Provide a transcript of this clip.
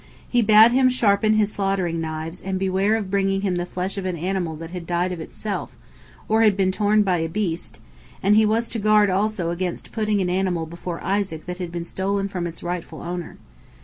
He bade him sharpen his slaughtering knives and beware of bringing him the flesh of an animal that had died of itself, or had been torn by a beast, and he was to guard also against putting an animal before Isaac that had been stolen from its rightful owner.